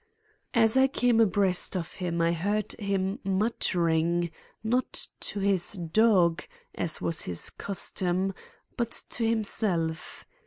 As I came abreast of him I heard him muttering, not to his dog as was his custom, but to himself.